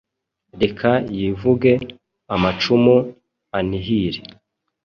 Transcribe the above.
Reka yivuge amacumu anihire